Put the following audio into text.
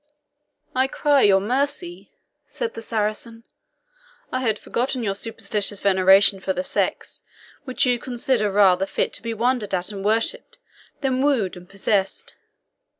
"I cry you mercy," said the Saracen. "I had forgotten your superstitious veneration for the sex, which you consider rather fit to be wondered at and worshipped than wooed and possessed.